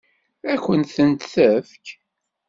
Ad kent-tent-tefk?